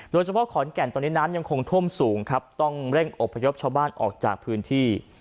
โดยเฉพาะขอนแก่นตอนนี้น้ำยังคงท่วมสูงครับต้องเร่งอบพยพชาวบ้านออกจากพื้นที่